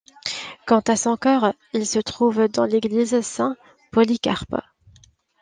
Quant à son cœur, il se trouve dans l'église Saint-Polycarpe.